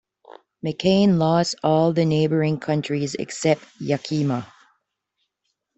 McCain lost all the neighboring counties except Yakima.